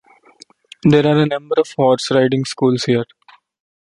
There are a number of horse riding schools here.